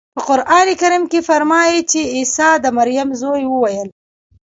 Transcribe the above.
په قرانکریم کې فرمایي چې عیسی د مریم زوی وویل.